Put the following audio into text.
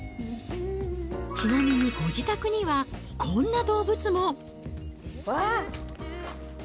ちなみにご自宅には、こんな動物も。